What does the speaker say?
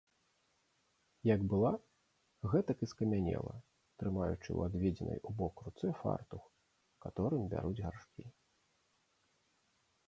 Як была, гэтак і скамянела, трымаючы ў адведзенай убок руцэ фартух, каторым бяруць гаршкі.